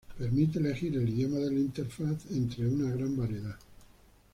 Permite elegir el idioma de la interfaz de entre una gran variedad.